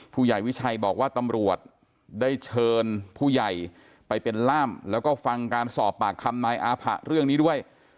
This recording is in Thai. ผู้ใหญ่วิชัยบอกว่าตำรวจได้เชิญผู้ใหญ่ไปเป็นล่ามแล้วก็ฟังการสอบปากคำนายอาผะเรื่องนี้ด้วย